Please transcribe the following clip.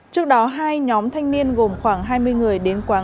trước đó hai nhóm thanh niên gồm khoảng hai mươi người đến quán